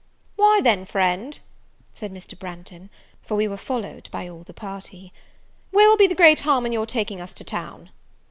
"Why, then, friend," said Mr. Branghton (for we were followed by all the party), "where will be the great harm of your taking us to town?"